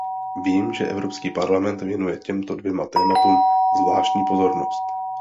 Vím, že Evropský parlament věnuje těmto dvěma tématům zvláštní pozornost.